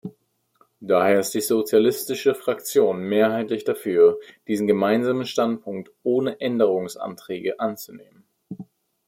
Daher ist die Sozialistische Fraktion mehrheitlich dafür, diesen Gemeinsamen Standpunkt ohne Änderungsanträge anzunehmen.